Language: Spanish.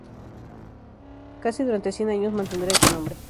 Casi durante cien años mantendrá ese nombre.